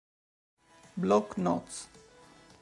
Block notes